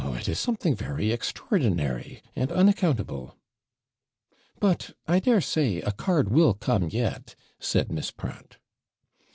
it is something very extraordinary and unaccountable!' 'But, I daresay, a card will come yet,' said Miss Pratt.